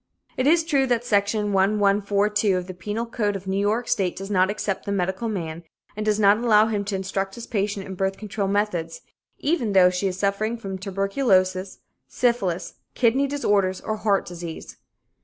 It is true that Section 1142 of the Penal Code of New York State does not except the medical man, and does not allow him to instruct his patient in birth control methods, even though she is suffering from tuberculosis, syphilis, kidney disorders or heart disease.